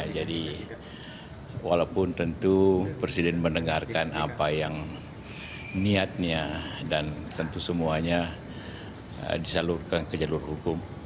jadi walaupun tentu presiden mendengarkan apa yang niatnya dan tentu semuanya disalurkan ke jalur hukum